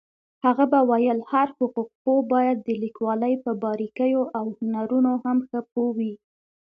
هغە به ویل هر حقوقپوه باید د لیکوالۍ په باريكييواو هنرونو هم ښه پوهوي.